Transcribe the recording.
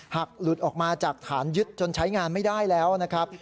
หลุดออกมาจากฐานยึดจนใช้งานไม่ได้แล้วนะครับ